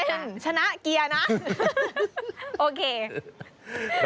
คุณเป็นชนะเกียร์นะ